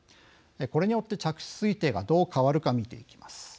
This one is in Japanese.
これによって嫡出推定がどう変わるか見ていきます。